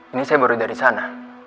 ini saya baru dari sana